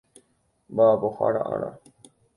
Mba'apohára Ára